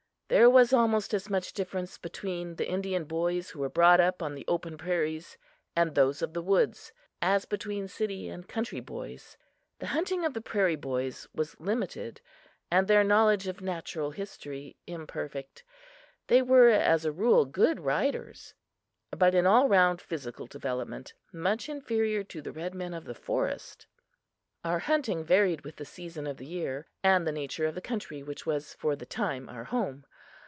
There was almost as much difference between the Indian boys who were brought up on the open prairies and those of the woods, as between city and country boys. The hunting of the prairie boys was limited and their knowledge of natural history imperfect. They were, as a rule, good riders, but in all round physical development much inferior to the red men of the forest. Our hunting varied with the season of the year, and the nature of the country which was for the time our home.